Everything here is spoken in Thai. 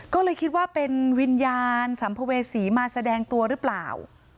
ก็เลยคิดว่าเป็นวิญญาณสัมภเวษีมาแสดงตัวหรือเปล่า